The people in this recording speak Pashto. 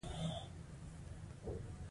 د پانګې تر ټولو پخوانی شکل سوداګریز شکل دی.